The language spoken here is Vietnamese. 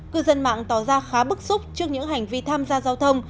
cư dân mạng tỏ ra khá bức xúc trước những hành vi tham gia giao thông